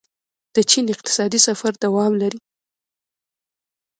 د چین اقتصادي سفر دوام لري.